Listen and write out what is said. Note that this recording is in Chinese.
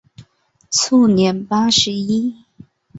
卒年八十一。